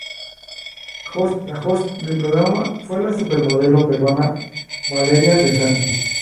La host del programa fue la supermodelo peruana Valeria De Santis.